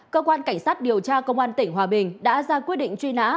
cơ quan cảnh sát điều tra công an tỉnh hòa bình đã ra quyết định truy nã